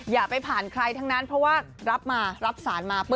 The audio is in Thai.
อย่าไปผ่านใครทั้งนั้นเพราะว่ารับมารับสารมาปุ๊บ